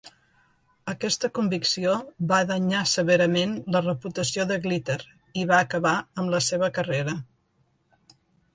Aquesta convicció va danyar severament la reputació de Glitter i va acabar amb la seva carrera.